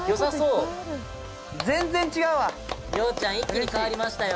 洋ちゃん一気に変わりましたよ！